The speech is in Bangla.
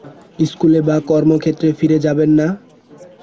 স্কুলে বা কর্মক্ষেত্রে ফিরে যাবেন না।